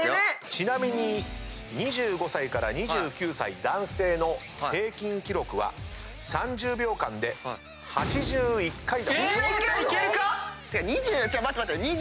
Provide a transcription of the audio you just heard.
ちなみに２５歳から２９歳男性の平均記録は３０秒間で８１回だそうです。